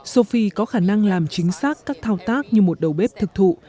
sophie có khả năng làm chính xác các thao tác như một đầu bếp thực thụ